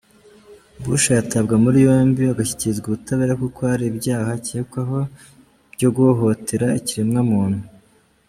Bush yatabwa muri yombi agashyikirizwa ubutabera kuko hari ibyaha akekwaho byo guhohotera ikiremwamuntu.